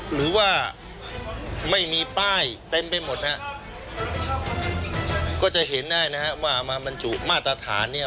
หรือว่าไม่มีป้ายเต็มไปหมดนะฮะก็จะเห็นได้นะฮะว่ามาบรรจุมาตรฐานเนี่ย